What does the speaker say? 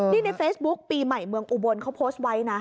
นี่ในเฟซบุ๊คปีใหม่เมืองอุบลเขาโพสต์ไว้นะ